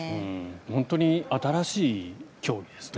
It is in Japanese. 本当に新しい競技ですね。